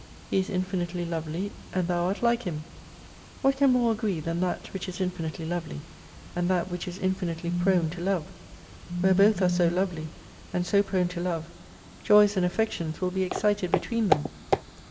He is infinitely lovely and Thou art like Him, What can more agree than that which is infinitely lovely, and that which is infinitely prone to love ! Where both are so lovely, and so prone to love, joys and affections will be excited between them